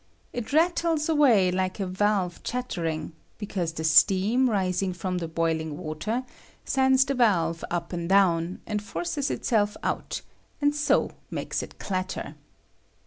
It rattles away like a valve chattering, because the steam rising from the boding water sends the valve up and down, and forces itself out, and so makes it clatter.